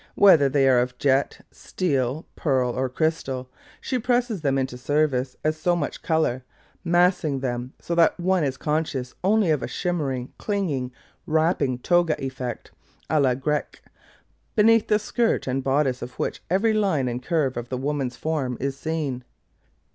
Whether they are of jet, steel, pearl or crystal, she presses them into service as so much colour, massing them so that one is conscious only of a shimmering, clinging, wrapped toga effect, à la Grecque, beneath the skirt and bodice of which every line and curve of the woman's form is seen.